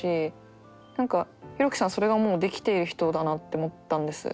何かヒロキさんはそれがもうできている人だなって思ったんです。